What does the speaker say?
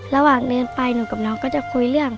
ระหว่างเดินไปหนูกับน้องก็จะคุยเรื่อง